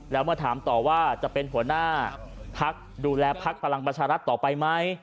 แล้วเมื่อถามต่อว่าจะเป็นหัวหน้าพักดูแลพักพลังประชารัฐต่อไปไหม